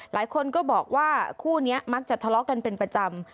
หลายคนก็บอกว่าคู่นี้มักจะทะเลาะกันเป็นประจำ